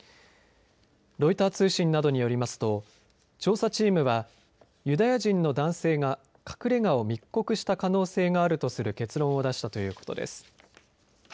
ロイター通信などによりますと調査チームはユダヤ人の男性が隠れ家を密告した可能性があるとする結論を出したということです。